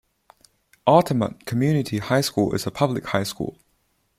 Altamont Community High School is a public high school.